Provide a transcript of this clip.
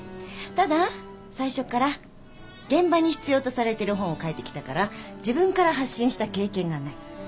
ただ最初から現場に必要とされてる本を書いてきたから自分から発信した経験がない。